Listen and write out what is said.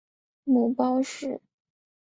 母包氏。